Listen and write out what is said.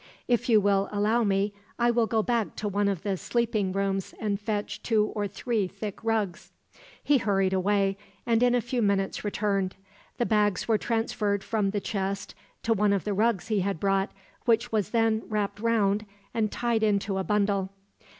If you will allow me, I will go back to one of the sleeping rooms and fetch two or three thick rugs." He hurried away, and in a few minutes returned. The bags were transferred from the chest to one of the rugs he had brought, which was then wrapped round and tied into a bundle.